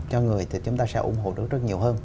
cho người thì chúng ta sẽ ủng hộ được rất nhiều hơn